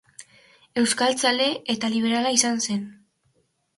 Euskaltzale eta liberala izan zen.